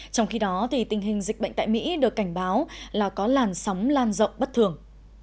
trong khi đó tình hình dịch bệnh tại mỹ được cảnh báo là có làn sóng lan rộng bất thường